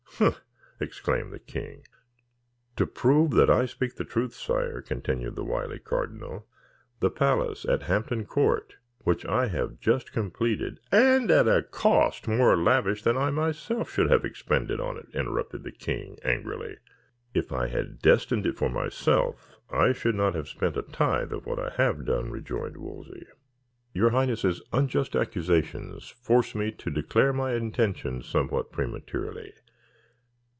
"Humph!" exclaimed the king. "To prove that I speak the truth, sire," continued the wily cardinal, "the palace at Hampton Court, which I have just completed " "And at a cost more lavish than I myself should have expended on it," interrupted the king angrily. "If I had destined it for myself, I should not have spent a tithe of what I have done," rejoined Wolsey. "Your highness's unjust accusations force me to declare my intentions somewhat prematurely.